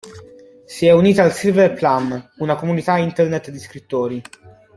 Si è unita al "Silver Plum", una comunità internet di scrittori.